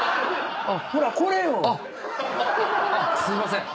すいません。